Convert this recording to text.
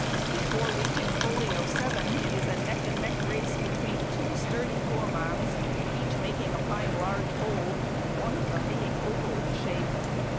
Before reaching folio 7, it is a neck and neck race between two sturdy gourmands, each making a fine large hole, one of them being oval in shape.